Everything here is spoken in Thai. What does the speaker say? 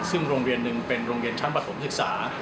ซึ่งโรงเรียนหนึ่งเป็นโรงเรียนชั้นประถมศึกษา